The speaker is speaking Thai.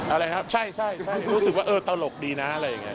อะไรนะใช่รู้สึกว่าตลกดีนะอะไรอย่างนี้